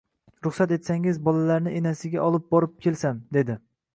Ruxsat etsangiz, bolalarni znasiga olib borib kelsam,-dedi.